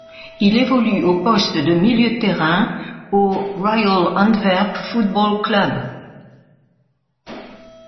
Il évolue au poste de milieu de terrain au Royal Antwerp Football Club.